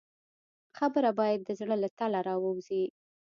خبره باید د زړه له تله راووځي.